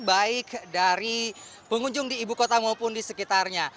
baik dari pengunjung di ibu kota maupun di sekitarnya